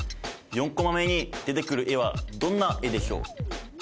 ４コマ目に出てくる絵はどんな絵でしょう？